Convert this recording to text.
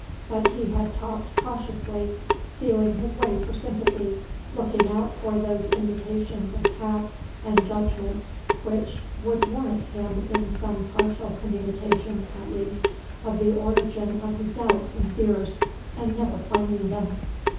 But he had talked cautiously, feeling his way for sympathy, looking out for those indications of tact and judgment which would warrant him in some partial communication, at least, of the origin of his doubts and fears, and never finding them.